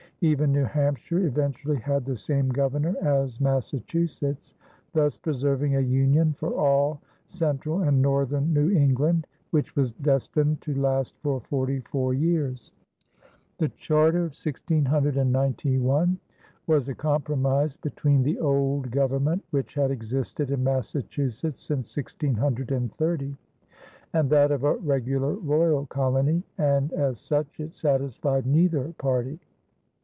Even New Hampshire eventually had the same governor as Massachusetts, thus preserving a union for all central and northern New England, which was destined to last for forty four years. The charter of 1691 was a compromise between the old government which had existed in Massachusetts since 1630 and that of a regular royal colony, and as such it satisfied neither party.